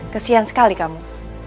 kasihan sekali kamu